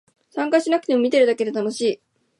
参加しなくても見てるだけで楽しい